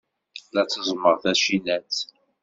La tteẓẓmeɣ tacinat.